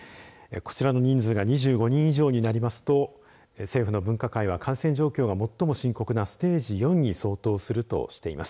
こちらの人数が２５人以上になりますと政府の分科会は感染状況が最も深刻なステージ４に相当するとしています。